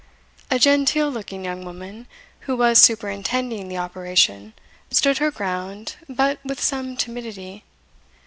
A genteel looking young woman, who was superintending the operation, stood her ground, but with some timidity.